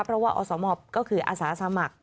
เพราะว่าอสมก็คืออาสาสมัคร